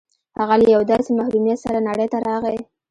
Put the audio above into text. هغه له یوه داسې محرومیت سره نړۍ ته راغی